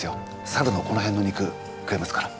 サルのこの辺の肉食えますから。